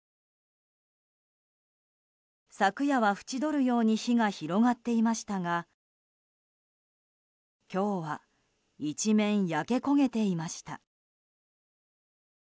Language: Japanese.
昨夜は縁取るように火が広がっていましたが今日は一面焼け焦げていました。